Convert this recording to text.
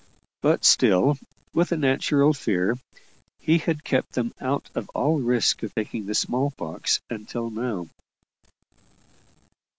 But still, with a natural fear, he had kept them out of all risk of taking the small pox until now.